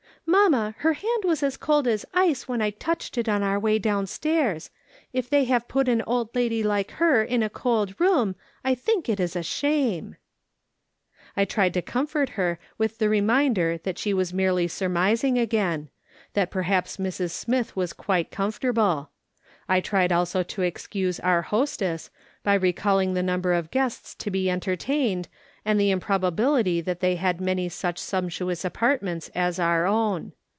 " Mamma, her hand was as cold as ice when I touched it on our w^ay downstairs. If they have put an old lady like her in a cold room, I think it is a shame !" I tried to comfort her with the reminder that she was merely surmising again; that perhaps Mrs. Smith was quite comfortable. I tried also to excuse our hostess, by recalling the number of guests to be enter tained and the improbability that they had many such sumptuous apartments as our own.